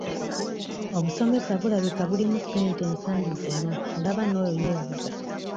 Obusomesa bulabika bulimu ssente ensangi zino olaba n'oyo yeevuga.